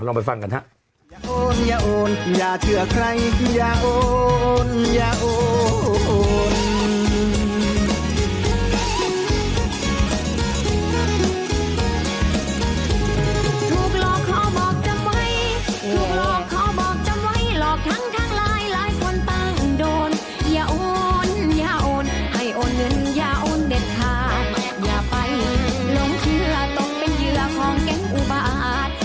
อย่าไปลงเชื้อตกเป็นเหยื่อของแกงอุบาต